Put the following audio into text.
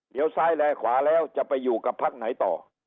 เดี๋ยวซ้ายแลขวาแล้วจะไปอยู่กับพักไหนต่อ